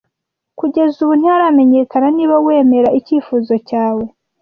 Kugeza ubu ntiharamenyekana niba wemera icyifuzo cyawe.